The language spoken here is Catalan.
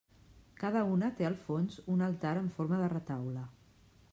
Cada una té al fons un altar en forma de retaule.